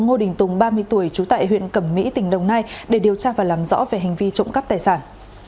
ngô đình tùng ba mươi tuổi trú tại huyện cẩm mỹ tỉnh đồng nai để điều tra và làm rõ về hành vi trộm cắp tài sản